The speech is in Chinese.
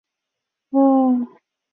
黄明堂墓的历史年代为清。